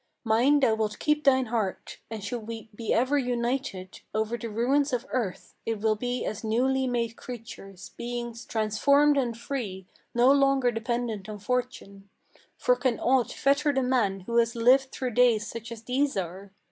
Mine thou wilt keep thine heart, and should we be ever united Over the ruins of earth, it will be as newly made creatures, Beings transformed and free, no longer dependent on fortune; For can aught fetter the man who has lived through days such as these are!